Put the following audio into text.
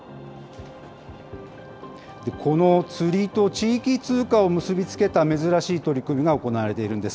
この釣りと地域通貨を結び付けた珍しい取り組みが行われているんです。